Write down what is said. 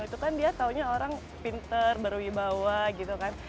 itu kan dia taunya orang pinter berwibawa gitu kan